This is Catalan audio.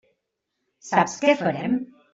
Saps què farem?